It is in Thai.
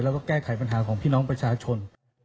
แล้วก็แก้ไขปัญหาของพี่น้องประชาชน